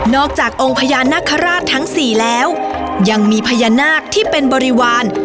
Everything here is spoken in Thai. อกจากองค์พญานาคาราชทั้งสี่แล้วยังมีพญานาคที่เป็นบริวาร